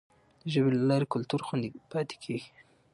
د ژبي له لارې کلتور خوندي پاتې کیږي.